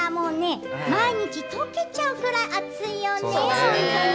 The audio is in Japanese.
毎日とけちゃうくらい暑いよね。